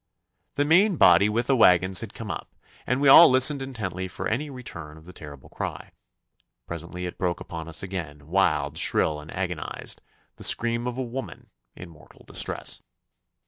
The main body with the waggons had come up, and we all listened intently for any return of the terrible cry. Presently it broke upon us again, wild, shrill, and agonised: the scream of a woman in mortal distress.